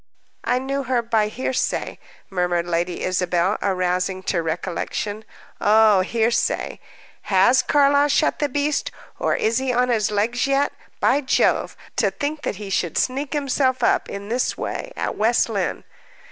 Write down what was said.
"I knew her by hearsay," murmured Lady Isabel, arousing to recollection. "Oh, hearsay! Has Carlyle shot the beast, or is he on his legs yet? By Jove! To think that he should sneak himself up, in this way, at West Lynne!"